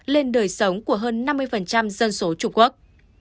lên đời sống của hơn năm mươi dân số trung quốc